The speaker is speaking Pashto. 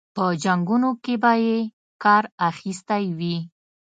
په جنګونو کې به یې کار اخیستی وي.